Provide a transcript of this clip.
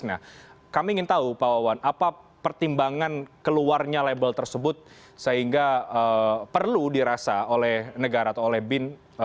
nah kami ingin tahu pak wawan apa pertimbangan keluarnya label tersebut sehingga perlu dirasa oleh negara atau oleh bin